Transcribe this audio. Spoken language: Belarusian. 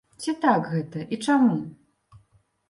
Ці так гэта і чаму?